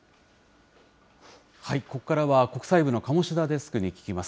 ここからは国際部の鴨志田デスクに聞きます。